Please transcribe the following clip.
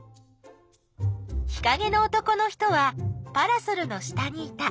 日かげの男の人はパラソルの下にいた。